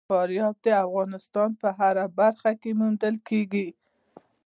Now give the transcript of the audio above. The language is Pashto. فاریاب د افغانستان په هره برخه کې موندل کېږي.